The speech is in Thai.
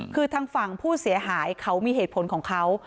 คือทางฝั่งผู้เสียหายเขามีเหตุผลของเขา